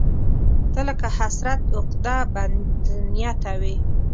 ته لکه حسرت، عقده، بدنيته وې